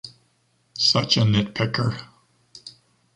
Such a nitpicker.